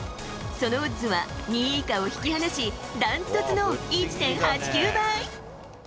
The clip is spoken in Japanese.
そのオッズは、２位以下を引き離し、ダントツの１．８９倍。